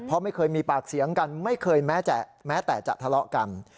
เพราะไม่เคยมีปากเสียงกันไม่เคยแม้แต่จะทะเลาะกัน